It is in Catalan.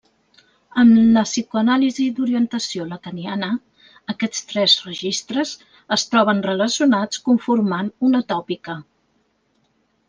En la psicoanàlisi d'orientació lacaniana aquests tres registres es troben relacionats conformant una tòpica.